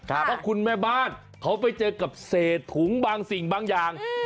เพราะคุณแม่บ้านเขาไปเจอกับเศษถุงบางสิ่งบางอย่าง